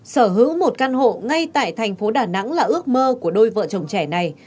sở hữu một căn hộ ngay tại thành phố đà nẵng là ước mơ của đôi vợ chồng trẻ này